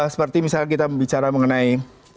seperti misalnya kita bicara mengenai